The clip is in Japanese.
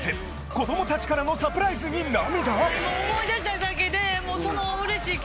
子ども達からのサプライズに涙！？